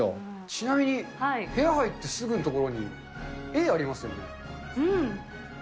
ちなみに部屋入ってすぐの所に、絵ありますよね。